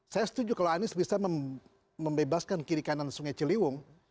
saya setuju kalau anies bisa membebaskan kiri kanan sungai ciliwung